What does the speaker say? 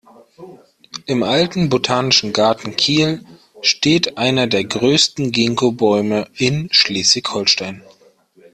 Im Alten Botanischen Garten Kiel steht einer der größten Ginkgo-Bäume in Schleswig-Holstein.